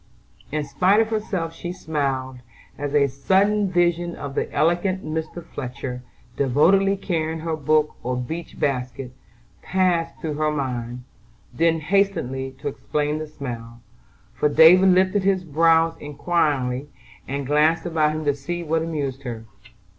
In spite of herself she smiled, as a sudden vision of the elegant Mr. Fletcher, devotedly carrying her book or beach basket, passed through her mind; then hastened to explain the smile, for David lifted his brows inquiringly, and glanced about him to see what amused her.